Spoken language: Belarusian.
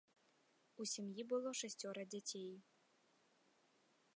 У сям'і было шасцёра дзяцей.